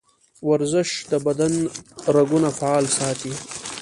ورزش د بدن رګونه فعال ساتي.